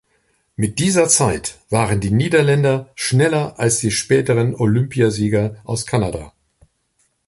Mit dieser Zeit waren die Niederländer schneller als die späteren Olympiasieger aus Kanada.